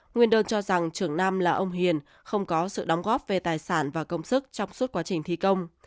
nguyên đơn cho rằng trưởng nam là ông hiền không có sự đóng góp về tài sản và công sức trong suốt quá trình thi công